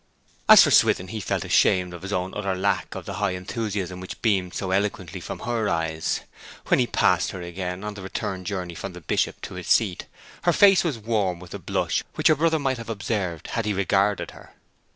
As for Swithin, he felt ashamed of his own utter lack of the high enthusiasm which beamed so eloquently from her eyes. When he passed her again, on the return journey from the Bishop to his seat, her face was warm with a blush which her brother might have observed had he regarded her.